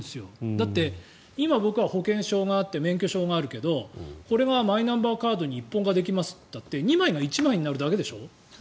だって、今、僕は保険証があって免許証があるけどこれがマイナンバーカードに一本化されますって言ったって２枚が１枚になるだけでしょ。